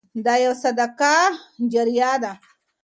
دا يو صدقه جاريه ده.